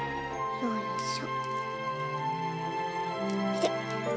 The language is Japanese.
よいしょ。